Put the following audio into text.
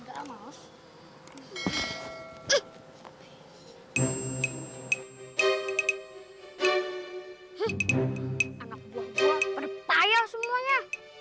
anak buah buah berdaya semuanya